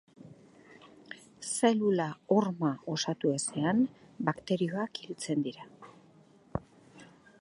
Zelula horma osatu ezean bakterioak hiltzen dira.